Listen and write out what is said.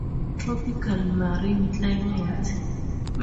Tropical marine climate.